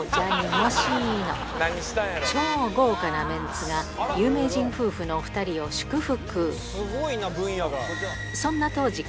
濁しの超豪華なメンツが有名人夫婦のお２人を祝福